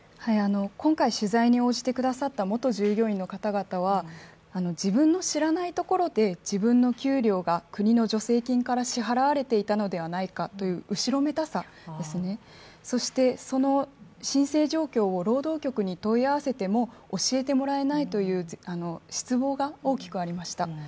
今回取材に応じてくださった元従業員の方々は、自分の知らないところで自分の給料が国の助成金から支払われていたのではないかという後ろめたさですね、そして、その申請状況を労働局に問い合わせても、教えてもらえないという失望が大きくありました。